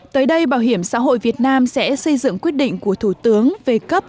tới đây bảo hiểm xã hội việt nam sẽ xây dựng quyết định của thủ tướng về cấp